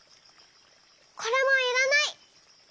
これもいらない。